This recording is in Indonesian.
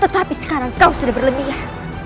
tetapi sekarang kau sudah berlebihan